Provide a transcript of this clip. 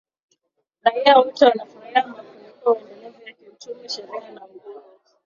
raia wote wanafurahia mafanikio endelevu ya kiuchumi, sheria na uhuru